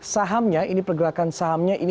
nah ini pergerakan sahamnya